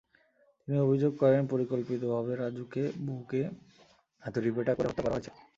তিনি অভিযোগ করেন, পরিকল্পিতভাবে রাজুকে বুকে হাতুড়িপেটা করে হত্যা করা হয়েছে।